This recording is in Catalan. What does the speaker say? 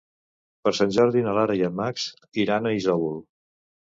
Per Sant Jordi na Lara i en Max iran a Isòvol.